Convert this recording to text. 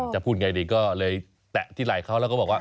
พูดไงดีก็เลยแตะที่ไหล่เขาแล้วก็บอกว่า